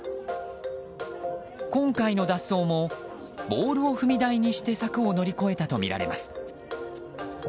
今回の脱走もボールを踏み台にして柵を乗り越えたとみられます。